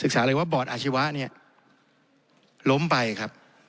เลยว่าบอร์ดอาชีวะเนี่ยล้มไปครับ